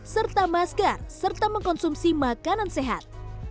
serta masker serta mengkonsumsi makanan sehat